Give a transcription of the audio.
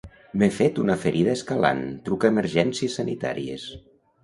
M'he fet una ferida escalant, truca a Emergències Sanitàries.